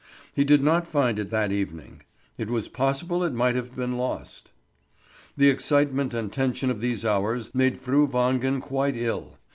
He did not find it that evening. It was possible it might have been lost. The excitement and tension of these hours made Fru Wangen quite ill.